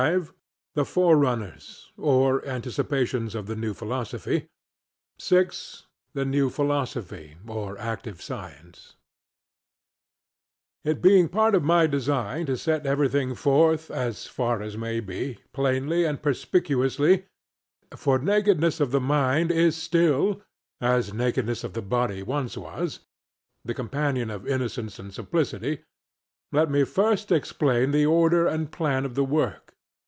The Forerunners; or Anticipations of the New Philosophy. 6. The New Philosophy; or Active Science. The Arguments of the several Parts. It being part of my design to set everything forth, as far as may be, plainly and perspicuously (for nakedness of the mind is still, as nakedness of the body once was, the companion of innocence and simplicity), let me first explain the order and plan of the work.